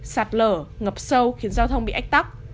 sạt lở ngập sâu khiến giao thông bị ách tắc